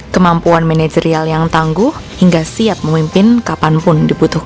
kemampuan manajerial yang tangguh hingga siap memimpin kapanpun dibutuhkan